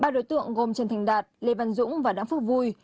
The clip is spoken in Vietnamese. ba đối tượng gồm trần thành đạt lê văn dũng và đăng phước vui